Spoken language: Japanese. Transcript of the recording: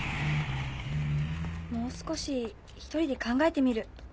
もう少し１人で考えてみる。